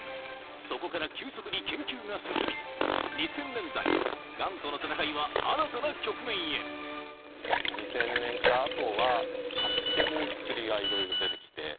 そこから急速に研究が進み２０００年代ガンとの闘いは２０００年から後は画期的に薬がいろいろ出て来て。